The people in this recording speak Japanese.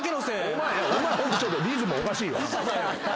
お前ホントちょっとリズムおかしい。